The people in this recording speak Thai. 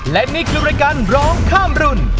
และนี่คือรายการร้องข้ามรุ่น